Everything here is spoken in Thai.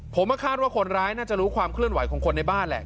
ผมว่าคาดว่าคนร้ายน่าจะรู้ความเคลื่อนไหวของคนในบ้านแหละ